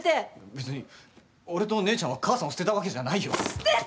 別に俺と姉ちゃんは母さんを捨てたわけじゃないよ。